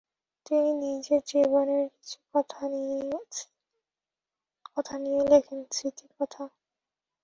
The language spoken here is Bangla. তিনি নিজের জীবনের কিছু কথা নিয়ে লেখেন'স্মৃতিকথা'।